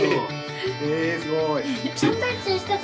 えすごい。